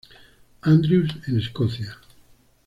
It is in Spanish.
Andrews en Escocia.